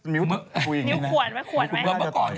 มิวควรไหม